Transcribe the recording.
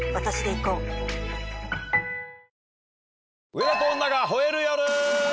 『上田と女が吠える夜』！